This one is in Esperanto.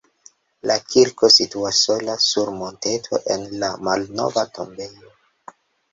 La kirko situas sola sur monteto en la malnova tombejo.